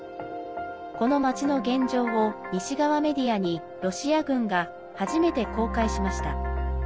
この町の現状を西側メディアにロシア軍が初めて公開しました。